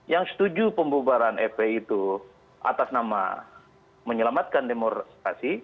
yang setuju pembubaran fpi itu atas nama menyelamatkan demonstrasi